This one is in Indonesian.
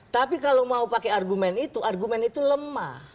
tapi kalau mau pakai argumen itu argumen itu lemah